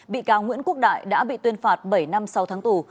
bị cáo nguyễn quốc đại đã bị tuyên phạt bảy năm sau tháng tù